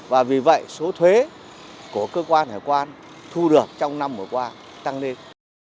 và vì vậy số thuế của cơ quan hải quan thu được trong năm vừa qua tăng lên